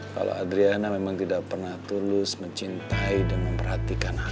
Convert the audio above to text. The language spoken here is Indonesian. kalo adriana memang tidak pernah tulus mencintai dan memperhatikan aku